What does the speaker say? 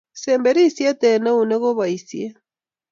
semberishet eng keunek ko poishet